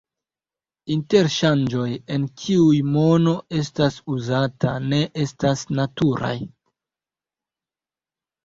Interŝanĝoj, en kiuj mono estas uzata, ne estas naturaj.